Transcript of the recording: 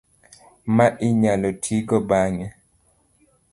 ma inyalo tigo bang'e